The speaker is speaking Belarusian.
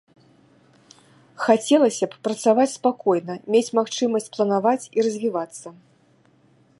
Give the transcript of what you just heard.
Хацелася б працаваць спакойна, мець магчымасць планаваць і развівацца.